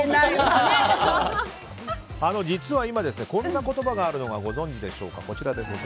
実は今こんな言葉があるのご存知でしょうか。